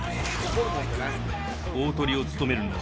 大トリを務めるのは。